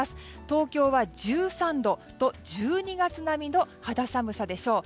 東京は１３度と１２月並みの肌寒さでしょう。